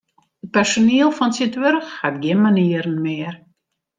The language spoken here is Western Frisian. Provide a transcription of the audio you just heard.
It personiel fan tsjintwurdich hat gjin manieren mear.